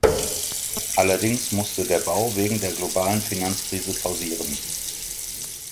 Allerdings musste der Bau wegen der globalen Finanzkrise pausieren.